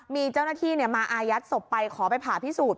มีเจ้าหน้าที่มาอายัดศพไปขอไปผ่าพิสูจน